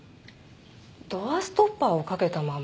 ドアストッパーをかけたまま？